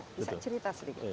bisa cerita sedikit